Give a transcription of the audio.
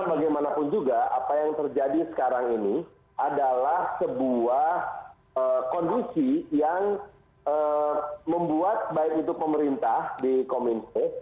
karena bagaimanapun juga apa yang terjadi sekarang ini adalah sebuah kondisi yang membuat baik itu pemerintah di komite